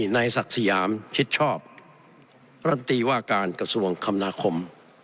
นายศักดิ์สยามชิดชอบรันตีว่าการกระทรวงคำนาคม